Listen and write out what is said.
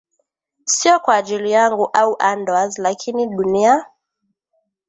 Siyo kwa ajili yangu au Andoas lakini dunia